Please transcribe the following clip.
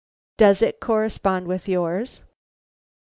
Does it correspond with yours?"